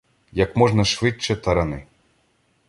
Як можна швидче тарани.